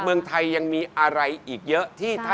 เมืองไทยยังมีอะไรอีกเยอะ